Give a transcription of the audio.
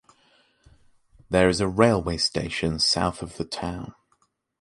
There is a railway station south of the town.